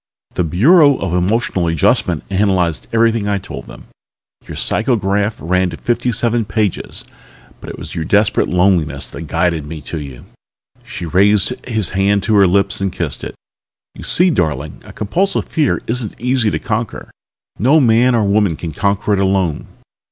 "The Bureau of Emotional Adjustment analyzed everything I told them. Your psycho graph ran to fifty seven pages, but it was your desperate loneliness which guided me to you." She raised his hand to her lips and kissed it. "You see, darling, a compulsive fear isn't easy to conquer. No man or woman can conquer it alone.